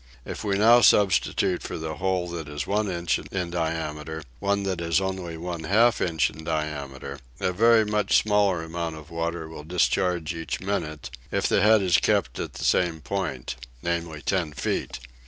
If now we substitute for the hole that is one inch in diameter one that is only one half inch in diameter a very much smaller amount of water will discharge each minute, if the head is kept at the same point namely, ten feet.